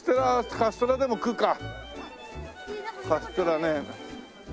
カステラね。